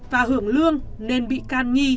và hưởng lương nên bị can nhi